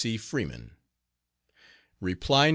C. FREEMAN. Reply No.